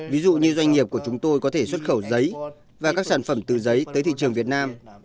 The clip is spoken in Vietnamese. ví dụ như doanh nghiệp của chúng tôi có thể xuất khẩu giấy và các sản phẩm từ giấy tới thị trường việt nam